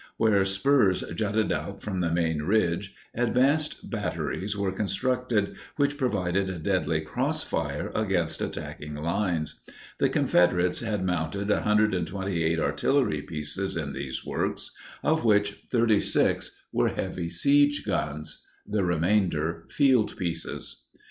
Where spurs jutted out from the main ridge, advanced batteries were constructed which provided a deadly crossfire against attacking lines. The Confederates had mounted 128 artillery pieces in these works, of which 36 were heavy siege guns; the remainder, field pieces.